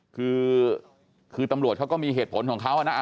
คือคือตำรวจเขาก็มีเหตุผลของเขานะ